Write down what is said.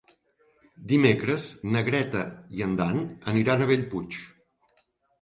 Dimecres na Greta i en Dan aniran a Bellpuig.